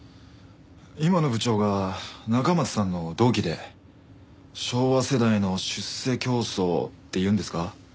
今の部長が中松さんの同期で昭和世代の出世競争っていうんですか？